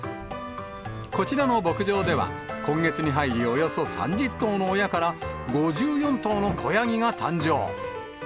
こちらの牧場では、今月に入り、およそ３０頭の親から５４頭の子ヤギが誕生。